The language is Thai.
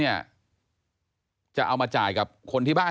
เผื่อเขายังไม่ได้งาน